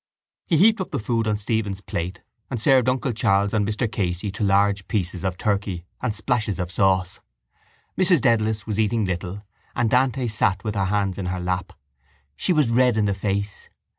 He heaped up the food on Stephen's plate and served uncle Charles and Mr Casey to large pieces of turkey and splashes of sauce. Mrs Dedalus was eating little and Dante sat with her hands in her lap. She was red in the face.